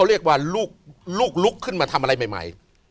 ลูกลุกขึ้นมาทำอะไรใหม่